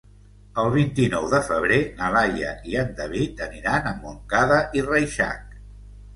El vint-i-nou de febrer na Laia i en David aniran a Montcada i Reixac.